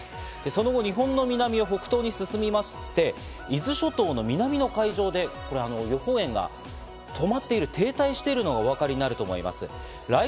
その後、日本の南を北東に進みまして、伊豆諸島の南の海上でこれ予報円が止まっている、停滞しているのがお分かりになると思います。